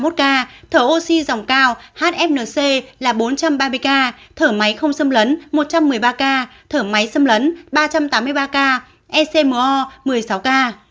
thở oxy dòng cao hfnc là bốn trăm ba mươi ca thở máy không xâm lấn một trăm một mươi ba ca thở máy xâm lấn ba trăm tám mươi ba ca ecmo một mươi sáu ca